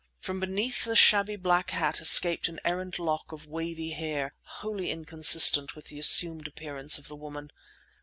From beneath the shabby black hat escaped an errant lock of wavy hair wholly inconsistent with the assumed appearance of the woman.